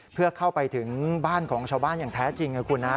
เพื่อเข้าไปถึงบ้านของชาวบ้านอย่างแท้จริงนะคุณนะ